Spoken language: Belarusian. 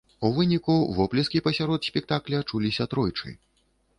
У выніку воплескі пасярод спектакля чуліся тройчы.